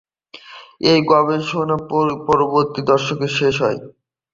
এই গবেষণা পরবর্তী দশকে শেষ হয়।